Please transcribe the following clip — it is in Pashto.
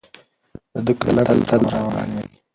د ده قلم دې تل روان وي.